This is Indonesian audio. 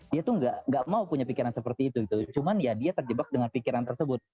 dia tuh gak mau punya pikiran seperti itu cuman ya dia terjebak dengan pikiran tersebut